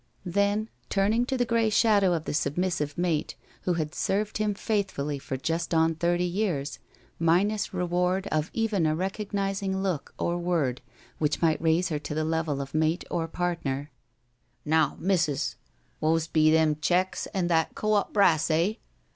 Then turning to the grey shadow of the submissive mate who had served him faithfully for just on thirty years, minus reward of even a recognis ing look or word which might raise her to the level of mate or partner: " fJow^ missus^ w'o's be ^heip checks an4 that Co op IN THE BLACK COUNTRY 19 brass, eh?